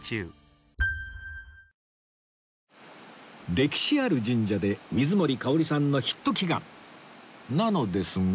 歴史ある神社で水森かおりさんのヒット祈願なのですが